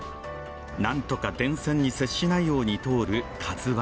なんとか電線に接しないように通る「ＫＡＺＵⅠ」。